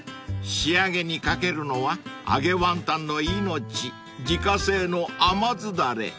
［仕上げにかけるのは揚げワンタンの命自家製の甘酢だれ］